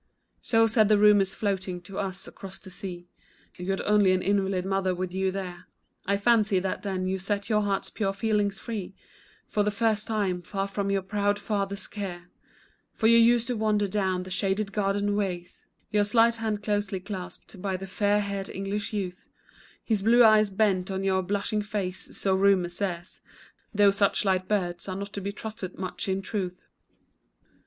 So said the rumors floating to us across the sea, You had only an invalid mother with you there, I fancy that then you set your heart's pure feelings free For the first time, far from your proud old father's care, For you used to wander down the shaded garden ways, Your slight hand closely clasped by the fair haired English youth, His blue eyes bent on your blushing face, so rumor says, Though such light birds are not to be trusted much in truth.